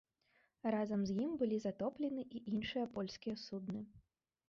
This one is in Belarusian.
Разам з ім былі затоплены і іншыя польскія судны.